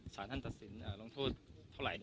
สารท่านตัดสินลงโทษเท่าไหร่